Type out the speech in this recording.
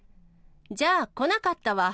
じゃあ来なかったわ。